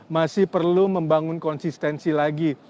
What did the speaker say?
masih perlu membangun konsistensi lagi